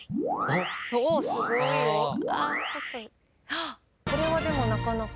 あっこれはでもなかなか。